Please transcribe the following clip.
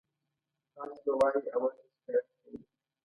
تاسې به وایئ اول دې شکایت کولو.